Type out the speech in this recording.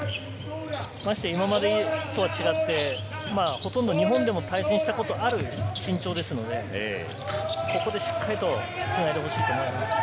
まして今までとは違って、ほとんど日本でも対戦したことがある身長ですので、ここでしっかりつないでほしいと思います。